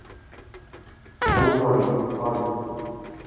আমি sorry, sorry.